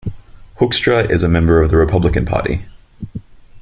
Hoekstra is a member of the Republican Party.